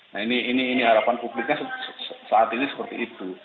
nah ini harapan publiknya saat ini seperti itu